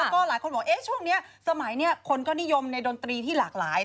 แล้วก็หลายคนบอกช่วงนี้สมัยนี้คนก็นิยมในดนตรีที่หลากหลาย